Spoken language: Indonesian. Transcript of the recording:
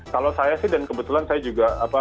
kalau saya sih dan kebetulan saya juga